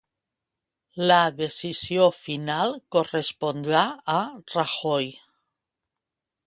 La decisió final correspondrà a Rajoy.